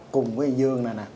cùng với dương này nè